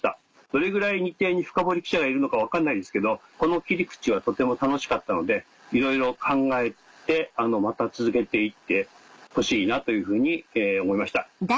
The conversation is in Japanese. どれぐらい日テレにフカボリ記者がいるのか分かんないですけどこの切り口はとても楽しかったのでいろいろ考えてまた続けて行ってほしいなというふうに思いました。